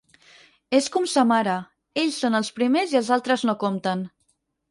És com sa mare, ells són els primers i els altres no compten.